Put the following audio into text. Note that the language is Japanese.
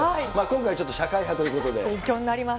今回、ちょっと社会派ということ勉強になります。